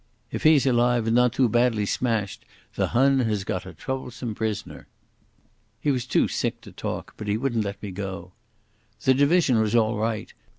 If he's alive and not too badly smashed the Hun has got a troublesome prisoner." He was too sick to talk, but he wouldn't let me go. "The division was all right.